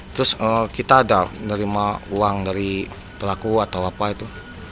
terus kita ada nerima uang dari pelaku atau apa itu